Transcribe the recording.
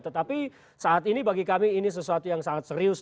tetapi saat ini bagi kami ini sesuatu yang sangat serius